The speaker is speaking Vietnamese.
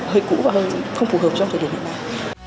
hơi cũ và hơi không phù hợp trong thời điểm này